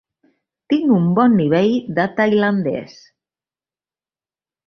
Tinc un bon nivell de tailandès.